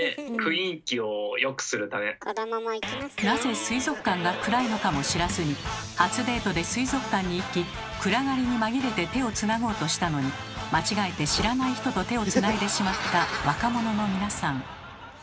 なぜ水族館が暗いのかも知らずに初デートで水族館に行き暗がりに紛れて手をつなごうとしたのに間違えて知らない人と手をつないでしまった若者の皆さん。